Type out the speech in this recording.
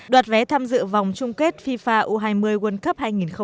đoạt vé tham dự vòng chung kết fifa u hai mươi world cup hai nghìn một mươi bảy